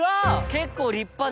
結構立派な。